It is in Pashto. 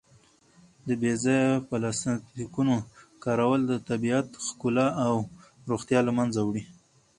د بې ځایه پلاسټیکونو کارول د طبیعت ښکلا او روغتیا له منځه وړي.